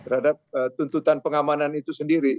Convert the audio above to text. terhadap tuntutan pengamanan itu sendiri